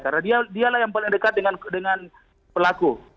karena dialah yang paling dekat dengan pelaku